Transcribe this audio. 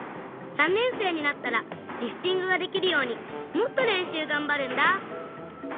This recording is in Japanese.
３年生になったらリフティングができるようにもっとれんしゅうがんばるんだ！